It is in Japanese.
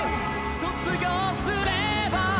卒業すれば